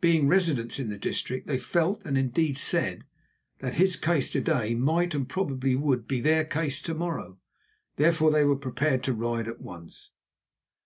Being residents in the district, they felt, and, indeed, said, that his case to day might and probably would be their case to morrow. Therefore they were prepared to ride at once.